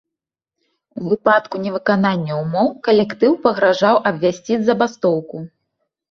У выпадку невыканання ўмоў калектыў пагражаў абвясціць забастоўку.